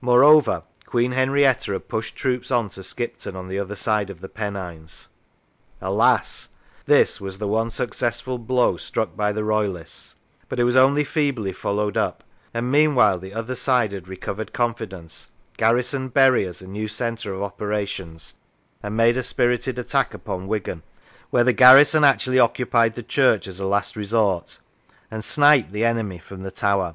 Moreover, Queen Henrietta had pushed troops on to Skipton, on the other side of the Pennines. Alas ! this was the one successful blow struck by the Royal ists, but it was only feebly followed up, and meanwhile the other side had recovered confidence, garrisoned Bury as a new centre of operations, and made a spirited attack upon Wigan, where the garrison actually 94 The War of Religion occupied the church as a last resort, and sniped the enemy from the tower.